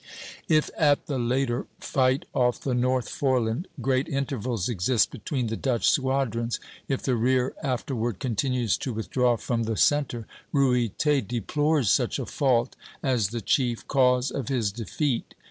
If at the later fight off the North Foreland great intervals exist between the Dutch squadrons, if the rear afterward continues to withdraw from the centre, Ruyter deplores such a fault as the chief cause of his defeat.